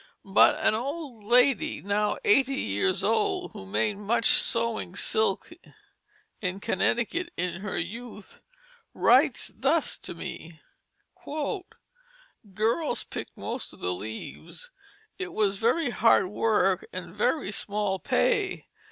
But an old lady, now eighty years old, who made much sewing silk in Connecticut in her youth, writes thus to me: "Girls picked most of the leaves. It was very hard work and very small pay.